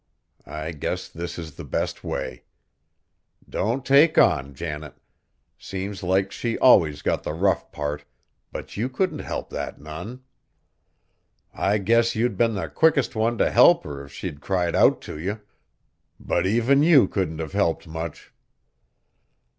I guess this is the best way. Don't take on, Janet! Seems like she allus got the rough part, but you couldn't help that none. I guess you'd been the quickest one t' help her if she'd cried out t' you; but even you couldn't have helped much."